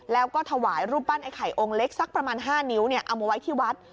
แล้วก็ถวายรูปปั้นไอ้ไข่องค์เล็กสักประมาณ๕นิ้วเอามาไว้ที่วัด